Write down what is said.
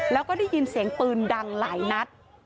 แล้วก็ได้ยินเสียงปืนดังหลายนัด